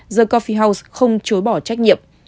the coffee house không chối bỏ trách nhiệm